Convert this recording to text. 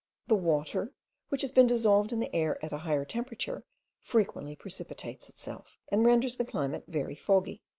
The water, which has been dissolved in the air at a higher temperature, frequently precipitates itself; and renders the climate very foggy.